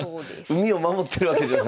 海を守ってるわけではないです。